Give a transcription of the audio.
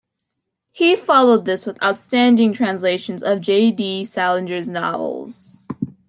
He followed this with outstanding translations of J. D. Salinger's novels.